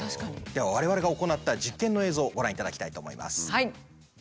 では我々が行った実験の映像をご覧いただきたいと思います。